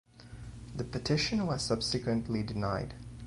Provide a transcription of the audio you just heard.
The petition was subsequently denied.